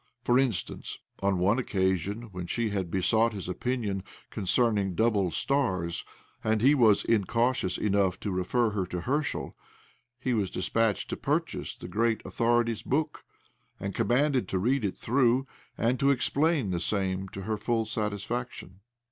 For instance, on one occasion, when she had besought his opinion concerning double stars, and he was incautious enough to refer her to Herschel, he was dispatched to purchase the great authority's book, and commanded to read it through, and to explain the same to her full satisfaction.